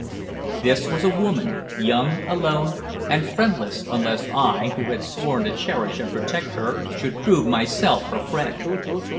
This was a woman, young, alone, and friendless, unless I, who had sworn to cherish and protect her, should prove myself her friend.